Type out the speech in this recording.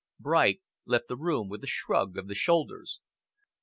Bright left the room with a shrug of the shoulders.